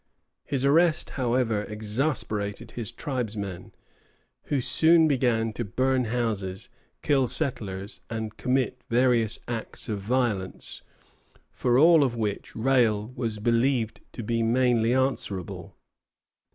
His arrest, however, exasperated his tribesmen, who soon began to burn houses, kill settlers, and commit various acts of violence, for all of which Rale was believed to be mainly answerable.